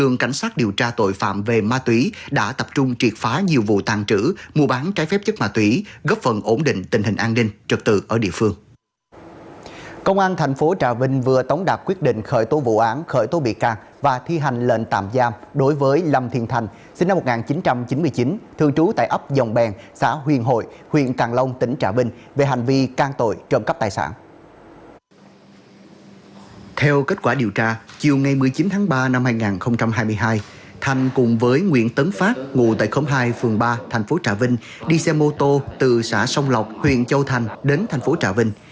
ngủ tại khống hai phường ba thành phố trà vinh đi xe mô tô từ xã sông lọc huyện châu thành đến thành phố trà vinh